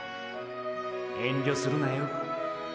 遠慮するなよ。